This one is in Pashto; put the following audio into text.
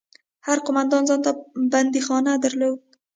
هر قومندان ځان ته بنديخانه درلوده.